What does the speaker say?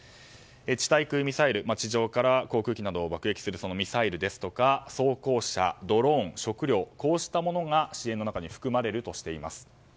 地対空ミサイル、地上から攻撃機などを爆撃するミサイルですとか装甲車、ドローン、食料こうしたものが支援の中に含まれるとしています。